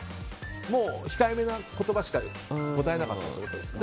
もう控えめな言葉でしか答えなかったんですか？